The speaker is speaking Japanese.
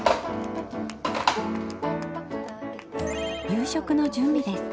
夕食の準備です。